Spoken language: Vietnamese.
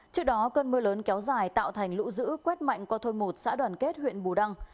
trước đó cơn mưa lớn kéo dài tạo thành lũ giữ quét mạnh qua thôn một xã đoàn kết huyện bù đăng